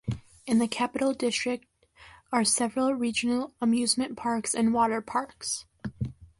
In the Capital District are several regional amusement parks and water parks.